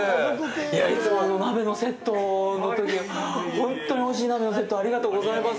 いやぁ、いつも鍋のセットのとき、ほんとにおいしい鍋のセットをありがとうございます。